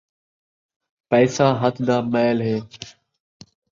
پیسہ ہتھ دا میل ہے